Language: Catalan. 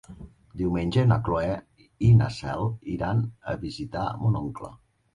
Diumenge na Cloè i na Cel iran a visitar mon oncle.